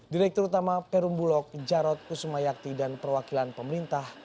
direktur utama perumbulog jarod kusumayakti dan perwakilan pemerintah